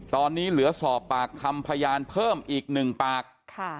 ตอนนี้เหลือสอบปากคำพยานเพิ่มอีก๑ปาก